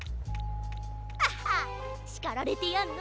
ハハッしかられてやんの。